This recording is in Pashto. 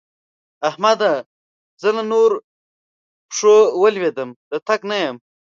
احمده! زه نور له پښو ولوېدم - د تګ نه یم.